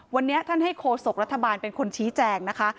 วันนี้ท่านให้โคศกรัฐบาลเป็นคนชี้แจงนะคะ